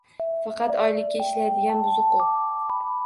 Faqat oylikka ishlaydigan buzuq u.